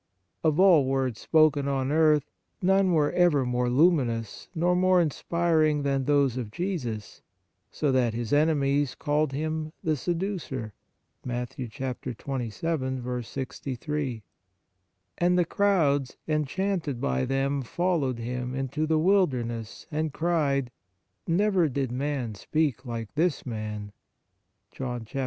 Of all words spoken on earth none were ever more luminous nor more inspir ing than those of Jesus, so that His enemies, called him "the seducer,"* * Matt, xxvii. 63. 113 On the Exercises of Piety and that crowds, enchanted by them, followed Him into the wilderness and cried :" Never did man speak like this man."